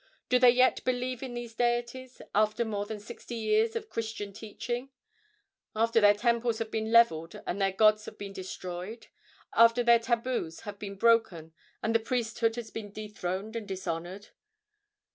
Do they yet believe in these deities after more than sixty years of Christian teaching? after their temples have been leveled and their gods have been destroyed? after their tabus have been broken and their priesthood has been dethroned and dishonored?